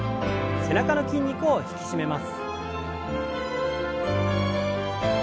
背中の筋肉を引き締めます。